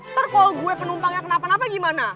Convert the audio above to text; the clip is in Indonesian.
ntar kalau gue penumpangnya kenapa napa gimana